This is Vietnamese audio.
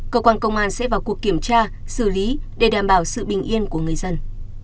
cơ quan công an sẽ vào cuộc kiểm tra xử lý để đảm bảo sự bình yên của người dân